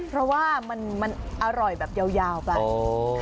เพราะว่ามันอร่อยแบบยาวไป